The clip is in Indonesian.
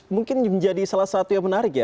mungkin menjadi salah satu yang menarik ya